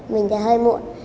mình thì hơi muộn